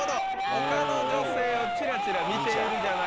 「他の女性をちらちら見ている」じゃないか。